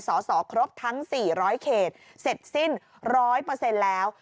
สสครบทั้ง๔๐๐เขตเสร็จสิ้น๑๐๐แล้ว